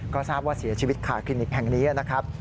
ก็ทราบว่าเสียชีวิตขาคลินิกแห่งนี้นะครับ